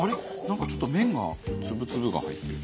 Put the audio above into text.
何かちょっと麺が粒々が入ってる。